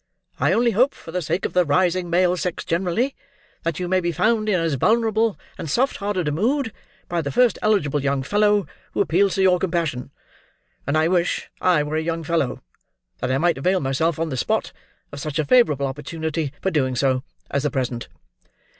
I only hope, for the sake of the rising male sex generally, that you may be found in as vulnerable and soft hearted a mood by the first eligible young fellow who appeals to your compassion; and I wish I were a young fellow, that I might avail myself, on the spot, of such a favourable opportunity for doing so, as the present."